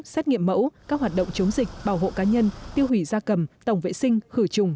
xét nghiệm mẫu các hoạt động chống dịch bảo hộ cá nhân tiêu hủy da cầm tổng vệ sinh khử trùng